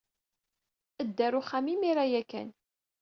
Ddu ɣer uxxam imir-a ya kan.